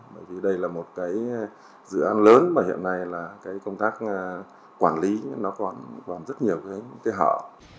bởi vì đây là một dự án lớn mà hiện nay công tác quản lý còn rất nhiều cái hợp